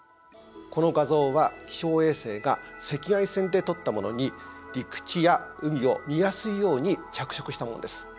この画像は気象衛星が赤外線で撮ったものに陸地や海を見やすいように着色したものです。